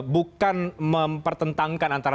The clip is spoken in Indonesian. bukan mempertentangkan antara